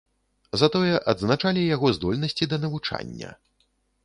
Затое адзначалі яго здольнасці да навучання.